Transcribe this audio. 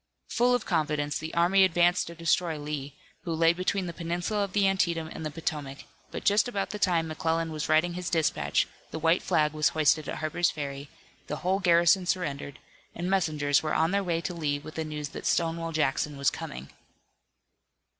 Full of confidence, the army advanced to destroy Lee, who lay between the peninsula of the Antietam and the Potomac, but just about the time McClellan was writing his dispatch, the white flag was hoisted at Harper's Ferry, the whole garrison surrendered, and messengers were on their way to Lee with the news that Stonewall Jackson was coming.